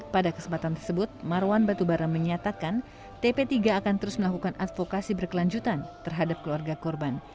pada kesempatan tersebut marwan batubara menyatakan tp tiga akan terus melakukan advokasi berkelanjutan terhadap keluarga korban